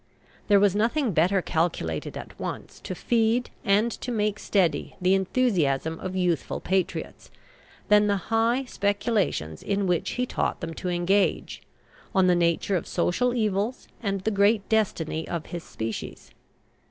There was nothing better calculated at once to feed and to make steady the enthusiasm of youthful patriots than the high speculations in which he taught them to engage, on the nature of social evils and the great destiny of his species.